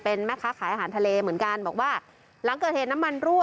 เป็นแม่ค้าขายอาหารทะเลเหมือนกันบอกว่าหลังเกิดเหตุน้ำมันรั่ว